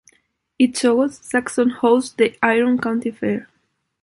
Each August, Saxon hosts the Iron County fair.